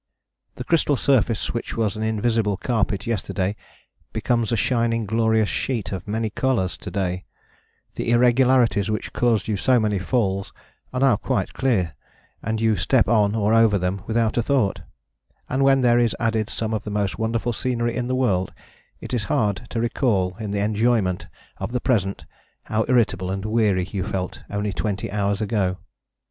The crystal surface which was an invisible carpet yesterday becomes a shining glorious sheet of many colours to day: the irregularities which caused you so many falls are now quite clear and you step on or over them without a thought: and when there is added some of the most wonderful scenery in the world it is hard to recall in the enjoyment of the present how irritable and weary you felt only twenty hours ago.